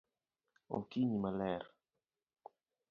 Okinyi maler